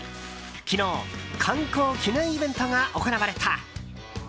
昨日、刊行記念イベントが行われた。